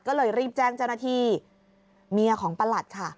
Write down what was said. ก็เลยรีบแจ้งเจ้าหน้าที่เมียของประหลัดค่ะ